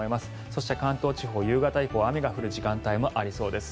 そして、関東地方、夕方以降は雨が降る時間帯もありそうです。